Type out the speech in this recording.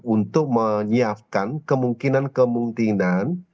untuk menyiapkan kemungkinan kemungkinan